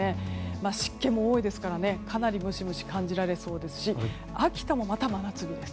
湿気も多いですからかなりムシムシ感じられそうですし秋田もまた真夏日です。